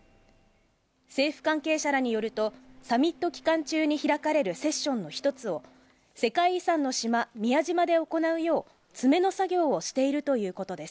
政府関係者らによると、サミット期間中に開かれるセッションの一つを世界遺産の島・宮島で行うよう詰めの作業をしているということです。